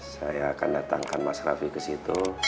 saya akan datangkan mas raffi ke situ